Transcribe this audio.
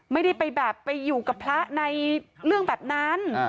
ไม่ได้ไปแบบไปอยู่กับพระในเรื่องแบบนั้น